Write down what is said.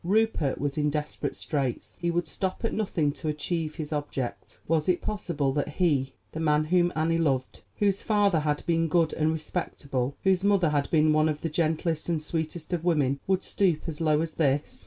Rupert was in desperate straits; he would stop at nothing to achieve his object. Was it possible that he, the man whom Annie loved, whose father had been good and respectable, whose mother had been one of the gentlest and sweetest of women, would stoop as low as this?